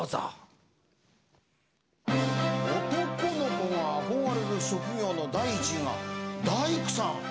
男の子が憧れる職業の第１位が大工さん？